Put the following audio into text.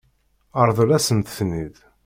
Ṛḍel-asent-ten-id.